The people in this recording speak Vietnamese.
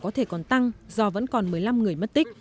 có thể còn tăng do vẫn còn một mươi năm người mất tích